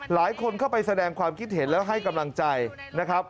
หลายคนเข้าไปแสดงความคิดเห็นแล้วให้กำลังใจนะครับ